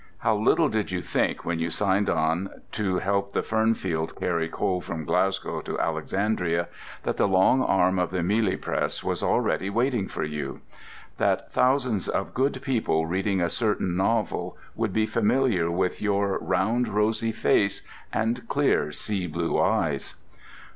How little did you think, when you signed on to help the Fernfield carry coal from Glasgow to Alexandria, that the long arm of the Miehle press was already waiting for you; that thousands of good people reading a certain novel would be familiar with your "round rosy face and clear sea blue eyes."